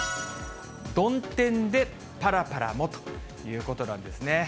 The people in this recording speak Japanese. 曇天でぱらぱらもということなんですね。